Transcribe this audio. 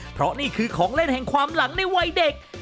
เพราะนี่คือของเล่นแห่งความหลังในวัยเด็ก